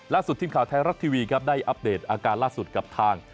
ทีมข่าวไทยรัฐทีวีครับได้อัปเดตอาการล่าสุดกับทาง